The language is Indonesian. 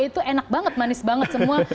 itu enak banget manis banget semua